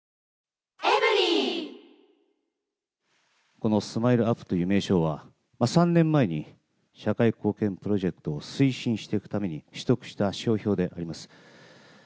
このスマイルアップという名称は、３年前に社会貢献プロジェクトを推進していくために取得した商標であります。